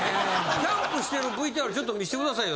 キャンプしてるＶＴＲちょっと見せて下さいよ。